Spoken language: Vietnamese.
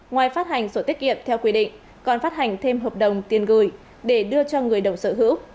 ngoài phát hành sổ tiết kiệm theo quy định còn phát hành thêm hợp đồng tiền gửi để đưa cho người đồng sở hữu